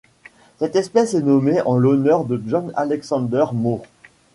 Cette espèce est nommée en l'honneur de John Alexander Moore.